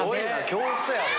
教室やろ？